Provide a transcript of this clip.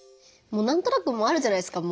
何となくもうあるじゃないですか。